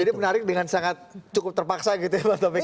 jadi menarik dengan sangat cukup terpaksa gitu ya bang taufik